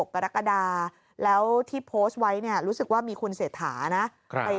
กรกฎาแล้วที่โพสต์ไว้เนี่ยรู้สึกว่ามีคุณเศรษฐานะ